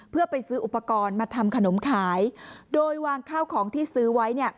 เพื่อไปซื้ออุปกรณ์มาทำขนมขายโดยวางข้าวของที่ซื้อไว้